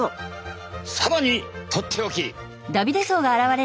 更にとっておき。